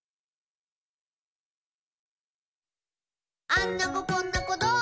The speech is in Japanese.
「あんな子こんな子どんな子？